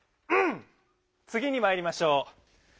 つぎにまいりましょう。